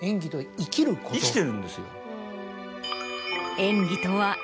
生きてるんですよ。